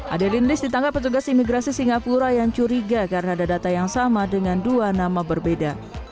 adeline lis ditangkap petugas imigrasi singapura yang curiga karena ada data yang sama dengan dua nama berbeda